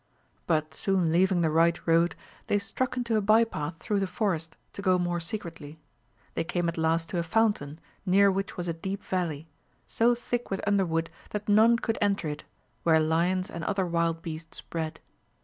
But soon leaving the right road, they struck into a bye path through the forest, to go more secretly. They came at last to a fountain, near which was a deep valley, so thick with underwood that none could enter it, where lions and other wild beasts bred.